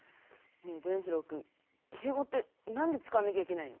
ねぇ伝じろうくん敬語ってなんで使わなきゃいけないの？